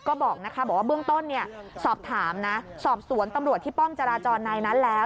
ก็บอกว่าเบื้องต้นสอบถามสอบสวนตำรวจที่ป้องจราจรนายนั้นแล้ว